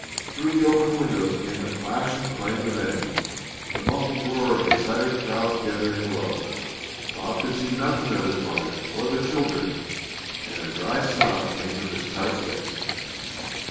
Through the open windows came the clash and clang of engines, the muffled roar of excited crowds gathering below. Bob could see nothing of his mother or the children, and a dry sob came from his tight lips.